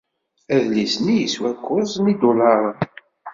Adlis-nni yeswa kuẓ n yidulaṛen.